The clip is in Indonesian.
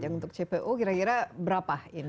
yang untuk cpo kira kira berapa ini